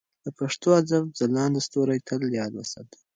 د پښتو ادب ځلانده ستوري تل یاد وساتئ.